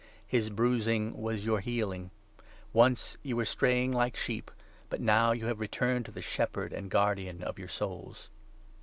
' His bruising was your healing.' Once you were straying 25 like sheep, but now you have returned to the Shepherd and Guardian of your souls.